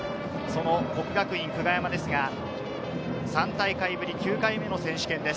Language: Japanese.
國學院久我山ですが３大会ぶり９回目の選手権です。